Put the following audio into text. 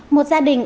một gia đình